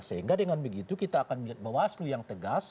sehingga dengan begitu kita akan melihat bawaslu yang tegas